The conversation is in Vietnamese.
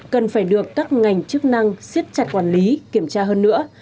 cần phải được các ngành chức năng siết chặt quản lý kiểm tra hơn nữa